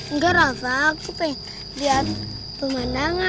enggak rafa kita pengen lihat pemandangan